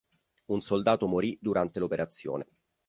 Un soldato morì durante l'operazione.